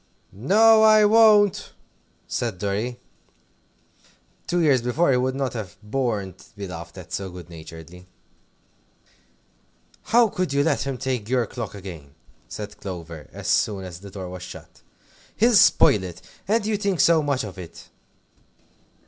"No, I won't!" said Dorry. Two years before he would not have borne to be laughed at so good naturedly. "How could you let him take your clock again?" said Clover, as soon as the door was shut. "He'll spoil it. And you think so much of it."